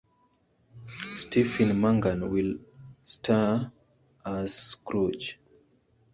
Stephen Mangan will star as Scrooge.